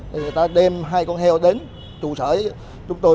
thì người ta đem hai con heo đến trụ sở chúng tôi